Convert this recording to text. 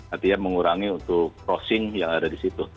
artinya mengurangi untuk crossing yang ada di situ